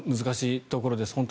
難しいところです。